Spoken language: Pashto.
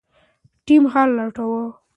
ټیم حل لټاوه.